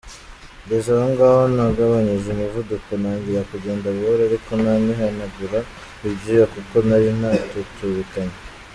Ngeze aho ngaho nagabanyije umuvuduko ntangira kugenda buhoro, ariko nanihanagura ibyuya kuko nari natutubikanye.